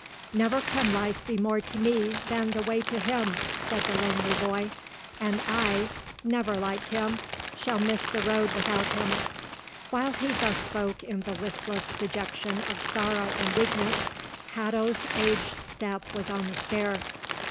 "Never can life be more to me than the way to him," said the lonely boy; "and I—never like him—shall miss the road without him." While he thus spoke in the listless dejection of sorrow and weakness, Hatto's aged step was on the stair.